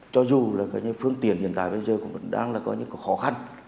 cho dù là phương tiện hiện tại bây giờ cũng đang có những khó khăn